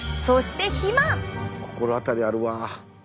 心当たりあるわ。